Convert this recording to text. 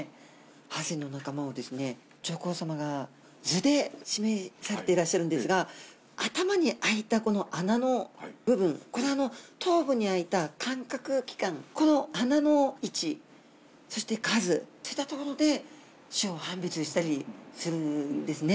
ハゼの仲間を上皇さまが図で示されていらっしゃるんですが、頭に開いたこの穴の部分、これも頭部に開いた感覚器官、この穴の位置、そして数、といったところで種を判別したりするんですね。